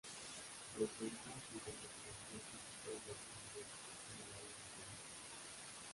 Presenta sintomatología típica y ha seguido infinidad de tratamientos.